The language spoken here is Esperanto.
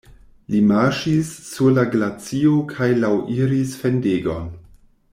Ni marŝis sur la glacio kaj laŭiris fendegon.